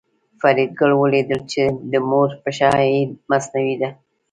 فریدګل ولیدل چې د مور پښه یې مصنوعي ده